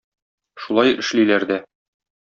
Шулай эшлиләр дә.